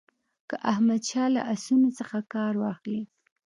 که احمدشاه له آسونو څخه کار واخلي.